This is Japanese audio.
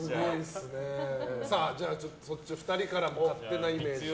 じゃあ、そっちの２人からも勝手なイメージ。